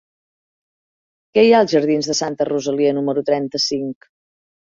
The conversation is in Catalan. Què hi ha als jardins de Santa Rosalia número trenta-cinc?